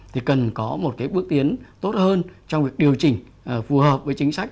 thì cần có một cái bước tiến tốt hơn trong việc điều chỉnh phù hợp với chính sách